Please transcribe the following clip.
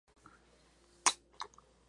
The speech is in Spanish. El pueblo de Nazca celebra la Victoria.